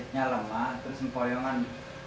fisiknya lemah terus empoyongan